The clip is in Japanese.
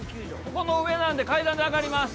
この上なんで階段で上がります。